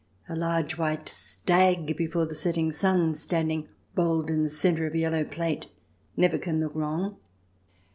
A large white stag before the setting sun standing bold in the centre of a yellow plate never can look wrong.